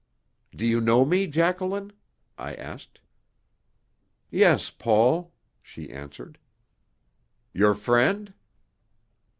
"Do you know me, Jacqueline?" I asked. "Yes, Paul," she answered. "Your friend?"